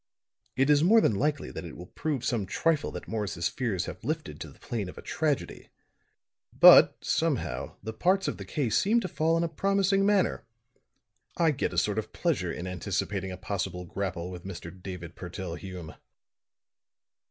"It is more than likely that it will prove some trifle that Morris' fears have lifted to the plane of a tragedy. But, somehow, the parts of the case seem to fall in a promising manner. I get a sort of pleasure in anticipating a possible grapple with Mr. David Purtell Hume."